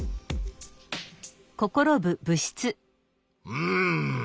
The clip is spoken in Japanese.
うん。